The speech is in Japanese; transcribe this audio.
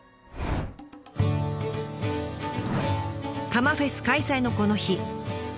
カマフェス開催のこの日。